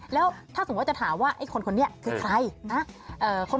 แล้วถ้าสมมุติจะถามว่าไอ้คนคนนี้คือใครนะ